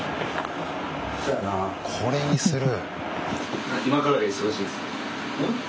これにする？